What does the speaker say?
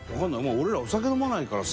俺ら、お酒飲まないからさ。